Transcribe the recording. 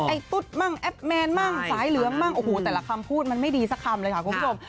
ตุ๊ดมั่งแอปแมนมั่งสายเหลืองมั่งโอ้โหแต่ละคำพูดมันไม่ดีสักคำเลยค่ะคุณผู้ชม